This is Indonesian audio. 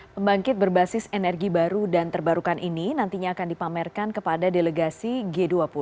pembangkit berbasis energi baru dan terbarukan ini nantinya akan dipamerkan kepada delegasi g dua puluh